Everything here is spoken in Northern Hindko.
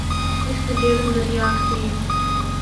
اس کو جہلم دریا آکھدے ہن۔